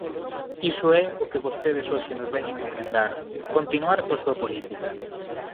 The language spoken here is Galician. Iso é o que vostedes hoxe nos veñen emendar: continuar coa súa política.